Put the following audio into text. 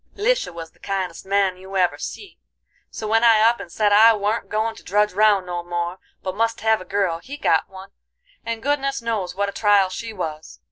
"Lisha was the kindest man you ever see, so when I up and said I warn't goin' to drudge round no more, but must hev a girl, he got one, and goodness knows what a trial she was.